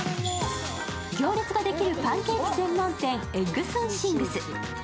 行列ができるパンケーキ専門店、エッグスンシングス。